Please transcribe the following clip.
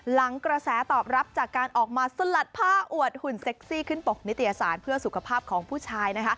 หลังกระแสตอบรับจากการออกมาสลัดผ้าอวดหุ่นเซ็กซี่ขึ้นปกนิตยสารเพื่อสุขภาพของผู้ชายนะคะ